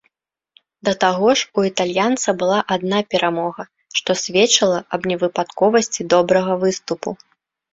Да таго ж, у італьянца была адна перамога, што сведчыла аб невыпадковасці добрага выступу.